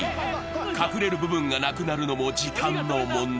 隠れる部分がなくなるのも時間の問題。